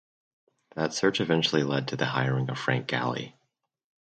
That search eventually led to hiring of Frank Galey.